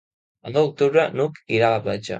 El nou d'octubre n'Hug irà a la platja.